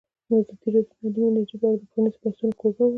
ازادي راډیو د اټومي انرژي په اړه د پرانیستو بحثونو کوربه وه.